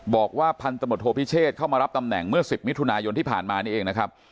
บอกว่าพันตำรวจโทพิเชษเข้ามารับตำแหน่งเมื่อ๑๐มิถุนายนที่ผ่านมานี่เองนะครับ